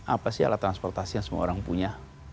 apa sih alat transportasi yang semua orang punya